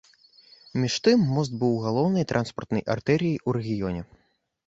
Між тым мост быў галоўнай транспартнай артэрыяй ў рэгіёне.